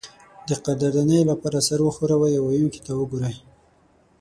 د قدردانۍ لپاره سر وښورئ او ویونکي ته وګورئ.